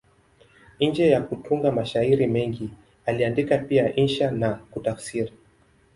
Nje ya kutunga mashairi mengi, aliandika pia insha na kutafsiri.